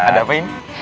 ada apa ini